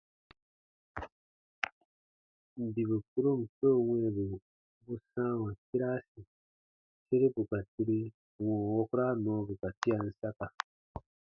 Bibu kpuron keu wɛ̃ɛbu bu sãawa tiraasi sere bù ka turi wɔ̃ɔ wukura nɔɔbu ka tian saka.